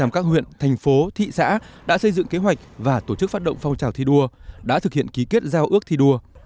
một trăm linh các huyện thành phố thị xã đã xây dựng kế hoạch và tổ chức phát động phong trào thi đua đã thực hiện ký kết giao ước thi đua